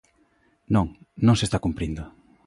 Non, non se está cumprindo.